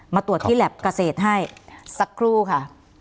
มาตรวจที่แล็บเกษตรให้สักครู่ค่ะ